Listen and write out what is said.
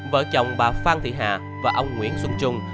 vợ chồng bà phan thị hà và ông nguyễn xuân trung